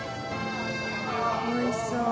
おいしそう。